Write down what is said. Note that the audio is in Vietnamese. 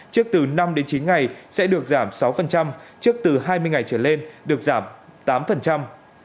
trước từ năm đến chín ngày sẽ được giảm sáu trước từ hai mươi ngày trở lên được giảm tám